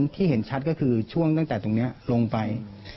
ที่เห็นชัดก็คือช่วงตั้งแต่ตรงนี้ลงไป